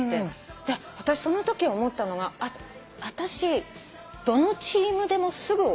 で私そのとき思ったのが私どのチームでもすぐ応援できるなって。